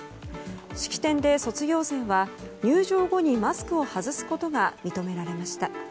式典で卒業生は入場後にマスクを外すことが認められました。